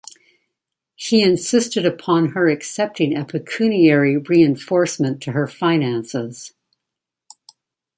He insisted upon her accepting a pecuniary reinforcement to her finances.